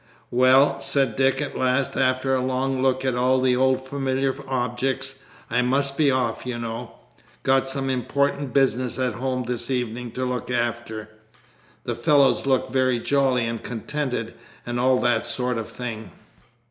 "Well," said Dick at last, after a long look at all the old familiar objects, "I must be off, you know. Got some important business at home this evening to look after. The fellows look very jolly and contented, and all that sort of thing.